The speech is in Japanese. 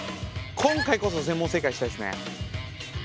今回こそ全問正解したいですね。